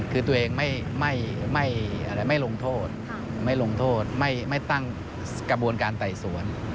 คือตัวเองไม่ลงโทษไม่ตั้งกระบวนการไต่สวน